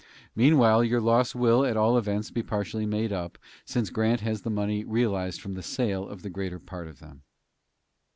Meanwhile your loss will, at all events, be partially made up, since Grant has the money realized from the sale of the greater part of them."